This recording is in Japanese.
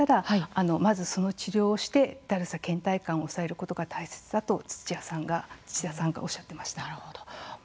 病気と診断されたらまずその治療をしてだるさけん怠感を抑えることが大切だと土屋さんがおっしゃっていました。